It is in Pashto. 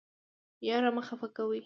یار مه خفه کوئ